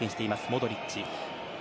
モドリッチ。